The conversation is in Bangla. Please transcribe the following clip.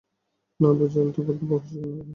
না বুঝে আলতু-ফালতু বকছ তুমি।